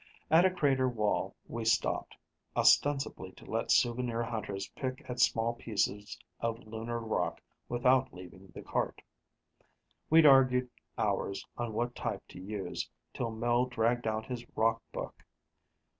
At a crater wall, we stopped, ostensibly to let souvenir hunters pick at small pieces of lunar rock without leaving the cart. We'd argued hours on what type to use, till Mel dragged out his rock book.